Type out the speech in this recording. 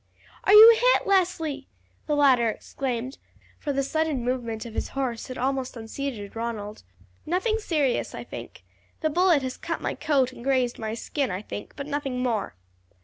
"Are you hit, Leslie?" the latter exclaimed, for the sudden movement of his horse had almost unseated Ronald. "Nothing serious, I think. The bullet has cut my coat and grazed my skin, I think, but nothing more."